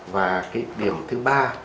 và cái điểm thứ ba